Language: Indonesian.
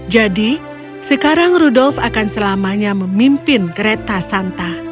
jadi sekarang rudolf akan selamanya memimpin kereta santa